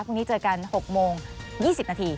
พรุ่งนี้เจอกัน๖โมง๒๐นาที